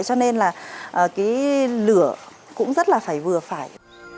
cho nên là cái lửa cũng rất là phải vừa phải